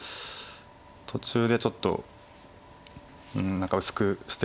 途中でちょっと何か薄くしてしまって。